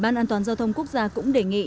ngoài ra ubndg quốc gia cũng đề nghị